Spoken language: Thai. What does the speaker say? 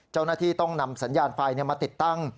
เจ้าหน้าที่ต้องนำสัญญาณไฟมาติดตั้ง